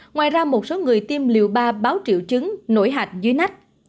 ngoài ra một số người tiêm liều ba báo triệu chứng nổi hạch dưới nách